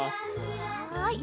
はい。